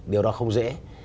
điều đó không dễ